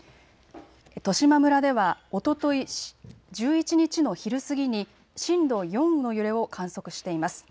十島村では、おととい１１日の昼過ぎに震度４の揺れを観測しています。